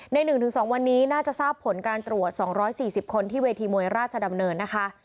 ใน๑๒วันนี้น่าจะทราบผลการตรวจ๒๔๐คนที่เวทีมวยราชดำเนินนะคะ